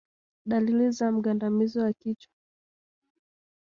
Dalili za mgandamizo wa kichwa